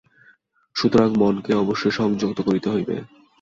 সুতরাং মনকে অবশ্য সংযত করিতে হইবে।